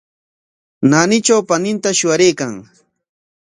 Naanitraw paninta shuyaraykan.